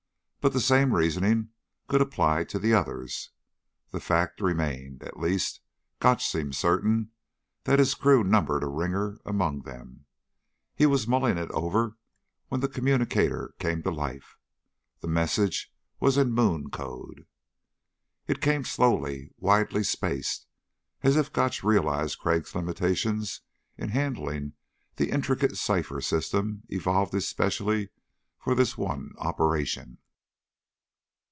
But the same reasoning could apply to the others. The fact remained at least Gotch seemed certain that his crew numbered a ringer among them. He was mulling it over when the communicator came to life. The message was in moon code. It came slowly, widely spaced, as if Gotch realized Crag's limitations in handling the intricate cipher system evolved especially for this one operation.